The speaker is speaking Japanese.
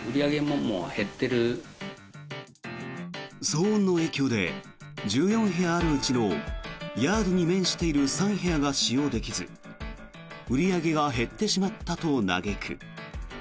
騒音の影響で１４部屋あるうちのヤードに面している３部屋が使用できず売り上げが減ってしまったと嘆く。